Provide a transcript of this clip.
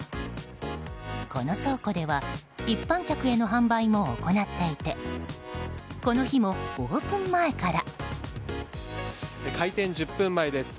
この倉庫では一般客への販売も行っていてこの日もオープン前から。